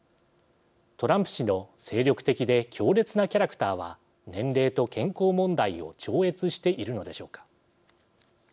トランプ氏の精力的で強烈なキャラクターは年齢と健康問題を超越しているのでしょうか。